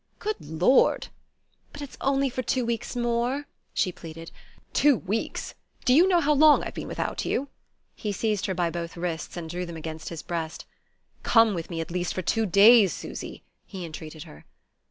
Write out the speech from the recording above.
"Good Lord!" "But it's only for two weeks more," she pleaded. "Two weeks! Do you know how long I've been without you!" He seized her by both wrists, and drew them against his breast. "Come with me at least for two days Susy!" he entreated her.